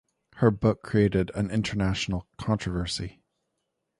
Her book created an international controversy.